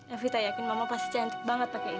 evita yakin mama pasti cantik banget pakai ini